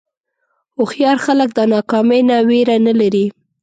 هوښیار خلک د ناکامۍ نه وېره نه لري.